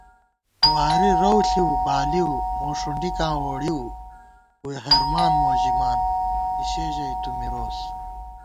وارِی رَوݪِؤ بالِؤ، موݭُنڈیکاں ووڑِؤ * ووئی ہرمان مو ژِمان، اِشے ژَئی تُو مِروس